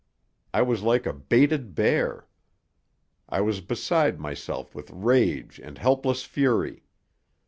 I was like a baited bear. I was beside myself with rage and helpless fury.